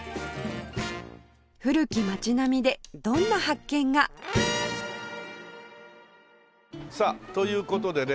古き街並みでどんな発見が？さあという事でね